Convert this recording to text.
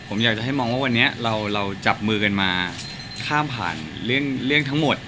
ผมอยากจะให้มองว่าวันนี้เราจับมือกันมาข้ามผ่านเรื่องทั้งหมด